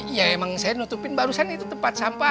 iya emang saya nutupin barusan itu tempat sampah